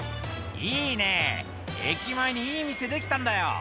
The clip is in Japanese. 「いいね駅前にいい店できたんだよ」